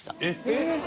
えっ！